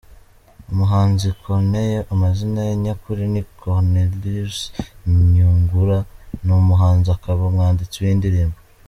Umuhanzi Corneille amazina ye nyakuri ni Cornelius Nyungura, ni umuhanzi akaba umwanditsi w’indirimbo.